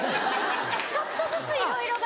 ちょっとずついろいろが。